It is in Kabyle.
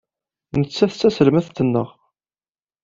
Nettat d taselmadt-nteɣ.